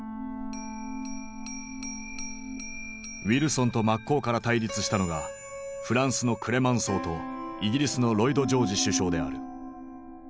ウィルソンと真っ向から対立したのがフランスのクレマンソーとイギリスのロイド・ジョージ首相である。